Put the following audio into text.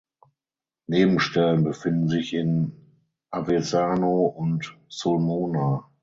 Nebenstellen befinden sich in Avezzano und Sulmona.